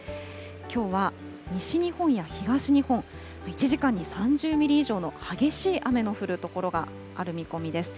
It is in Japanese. きょうは西日本や東日本、１時間に３０ミリ以上の激しい雨の降る所がある見込みです。